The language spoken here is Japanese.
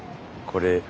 これ。